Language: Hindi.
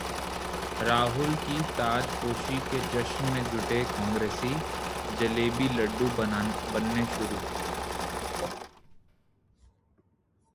राहुल की ताजपोशी के जश्न में जुटे कांग्रेसी, जलेबी-लड्डू बनने शुरू